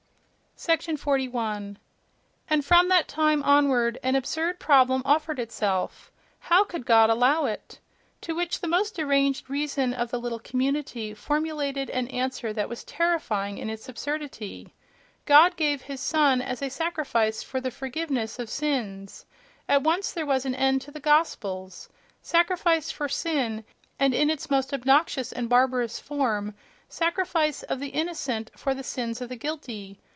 41. —And from that time onward an absurd problem offered itself: "how could God allow it!" To which the deranged reason of the little community formulated an answer that was terrifying in its absurdity: God gave his son as a sacrifice for the forgiveness of sins. At once there was an end of the gospels! Sacrifice for sin, and in its most obnoxious and barbarous form: sacrifice of the innocent for the sins of the guilty!